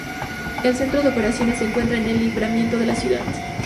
El centro de operaciones se encuentra en el libramiento de la ciudad.